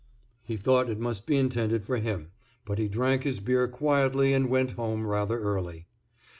_" He thought it must be intended for him, but he drank his beer quietly and went home rather early.